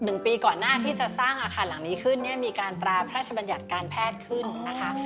หนึ่งปีก่อนหน้าที่จะสร้างอาคารหลังนี้ขึ้นเนี่ยมีการตราพระราชบัญญัติการแพทย์ขึ้นนะคะ